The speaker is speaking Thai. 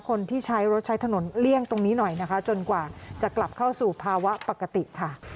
คนที่ใช้รถใช้ถนนเลี่ยงตรงนี้หน่อยนะคะจนกว่าจะกลับเข้าสู่ภาวะปกติค่ะ